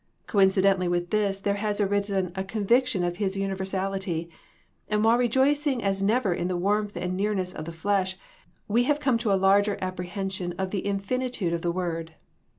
Coincidentally with this there has arisen a convic tion of His universality, and while rejoicing as never in the warmth and nearness of the Flesh, we have come to a larger apprehension of the infini tude of the Word.